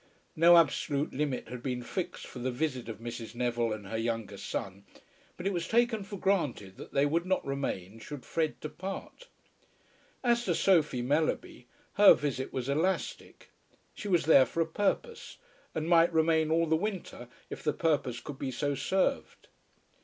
No absolute limit had been fixed for the visit of Mrs. Neville and her younger son, but it was taken for granted that they would not remain should Fred depart. As to Sophie Mellerby, her visit was elastic. She was there for a purpose, and might remain all the winter if the purpose could be so served.